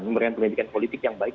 memberikan pendidikan politik yang baik